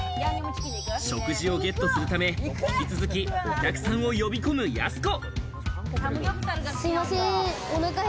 食事をゲットするため、引き続きお客さんを呼び込むやす子。